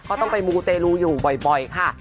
ต้องไปมูเตรลูอยู่บ่อยค่ะ